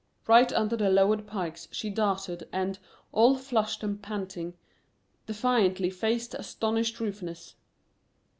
Right under the lowered pikes she darted and, all flushed and panting, defiantly faced the astonished Rufinus.